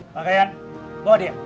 pakaian bawa dia